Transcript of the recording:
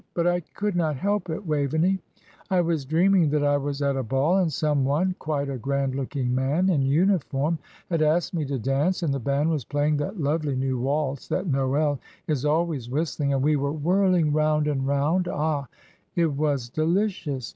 "But I could not help it, Waveney. I was dreaming that I was at a ball, and some one, quite a grand looking man, in uniform, had asked me to dance, and the band was playing that lovely new waltz that Noel is always whistling, and we were whirling round and round ah, it was delicious!